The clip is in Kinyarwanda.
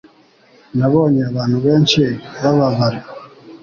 Nabonye abantu benshi bababara